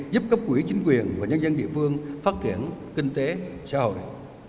giúp cấp quỹ chính quyền và nhân dân địa phương phát triển kinh tế xã hội